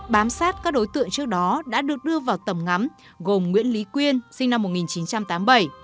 bám sát các đối tượng trước đó đã được đưa vào tầm ngắm gồm nguyễn lý quyên sinh năm một nghìn chín trăm tám mươi bảy